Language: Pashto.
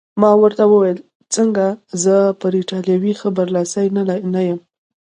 ما ورته وویل: څنګه، زه پر ایټالوي ښه برلاسی نه یم؟